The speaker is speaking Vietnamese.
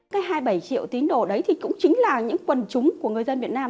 cái hai mươi bảy triệu tín đồ đấy thì cũng chính là những quần chúng của người dân việt nam